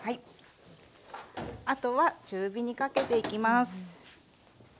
あとは中火にかけていきます。